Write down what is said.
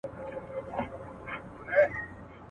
ساقي وه را بللي رقیبان څه به کوو؟.